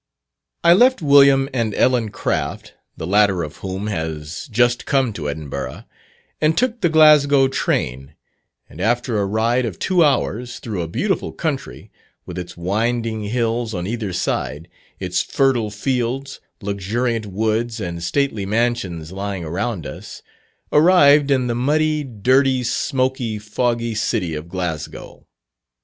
I left William and Ellen Craft (the latter of whom has just come to Edinburgh), and took the Glasgow train, and after a ride of two hours through a beautiful country, with its winding hills on either side its fertile fields, luxuriant woods, and stately mansions lying around us, arrived in the muddy, dirty, smoky, foggy city of Glasgow.